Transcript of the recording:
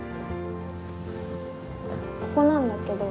ここなんだけど。